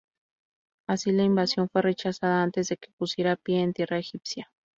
Así la invasión fue rechazada antes de que pusiera pie en tierra egipcia.